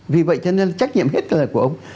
vì vậy cho nên trách nhiệm hết thời của ông